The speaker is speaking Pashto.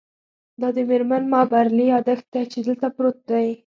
دا د میرمن مابرلي یادښت دی چې دلته پروت دی